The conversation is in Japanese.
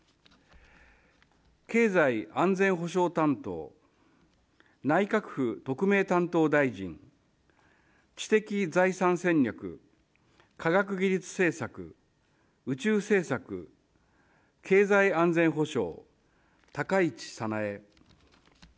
経済安全保障担当、内閣府特命担当大臣、知的財産戦略、科学技術政策、宇宙政策、経済安全保障、高市早苗。